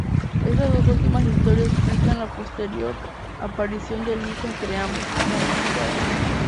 Estas dos últimas historias explican la posterior aparición del hijo entre ambos: Damian Wayne.